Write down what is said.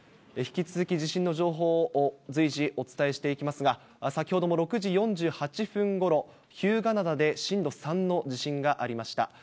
引き続き地震の情報を随時、お伝えしていきますが、先ほども６時４８分ごろ、日向灘で震度３の地震がありました。